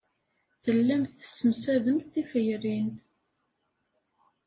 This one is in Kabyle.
Tellamt tessemsademt tiferyin.